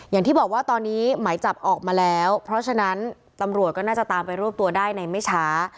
อย่างที่บอกว่าตอนนี้หมายจับออกมาแล้วเพราะฉะนั้นตำรวจก็น่าจะตามไปรวบตัวได้ในไม่ช้า